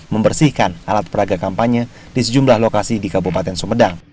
membersihkan alat peraga kampanye di sejumlah lokasi di kabupaten sumedang